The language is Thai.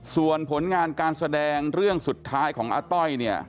ส่วนผลงานการแสดงเรื่องสุดท้ายของอาต้อยเนี่ย